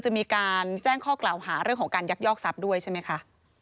จะมีการแจ้งข้อกล่าวหาเรื่องของการยักยอกทรัพย์ด้วยใช่ไหมคะ